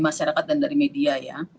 masyarakat dan dari media ya